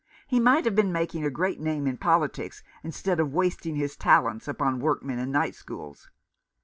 He might have been making a great name in politics instead of wasting his talents upon workmen and night schools."